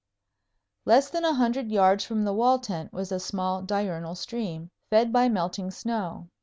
Less than a hundred yards from the wall tent was a small diurnal stream, fed by melting snow.